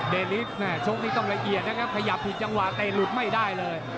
เดริฟโชคนี้ต้องละเอียดนะครับพยายามผิดจังหวะเตรนลุดไม่ได้เลย